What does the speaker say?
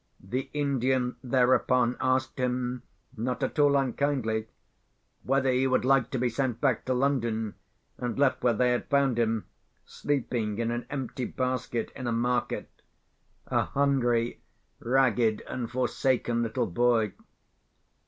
The Indian, thereupon, asked him (not at all unkindly), whether he would like to be sent back to London, and left where they had found him, sleeping in an empty basket in a market—a hungry, ragged, and forsaken little boy.